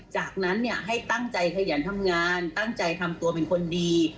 จากนั้นให้ตั้งใจขยันทำงานตั้งใจทำตัวเป็นคนดี